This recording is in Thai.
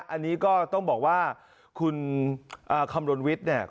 อันนี้ก็ต้องบอกว่าคุณคำรณวิทย์เนี่ย